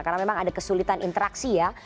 karena memang ada kesulitan interaksi ya